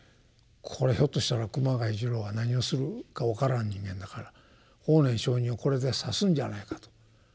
これひょっとしたら熊谷次郎は何をするか分からん人間だから法然上人をこれで刺すんじゃないかと。